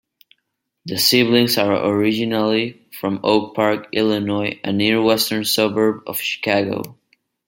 The siblings are originally from Oak Park, Illinois, a near-western suburb of Chicago.